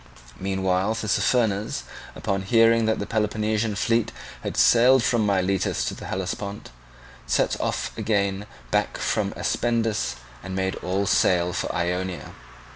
Meanwhile Tissaphernes, upon hearing that the Peloponnesian fleet had sailed from Miletus to the Hellespont, set off again back from Aspendus, and made all sail for Ionia.